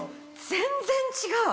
全然違う！